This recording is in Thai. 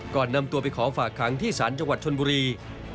นำตัวไปขอฝากขังที่ศาลจังหวัดชนบุรี